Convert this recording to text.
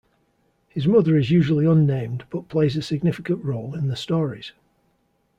His mother is usually unnamed but plays a significant role in the stories.